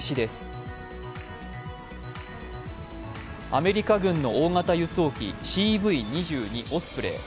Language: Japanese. アメリカ軍の大型輸送機ＣＶ２２オスプレイ。